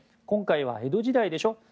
今回は江戸時代でしょ。